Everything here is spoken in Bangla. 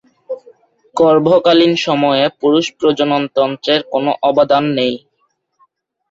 গর্ভকালীন সময়ে পুরুষ প্রজনন তন্ত্রের কোন অবদান নেই।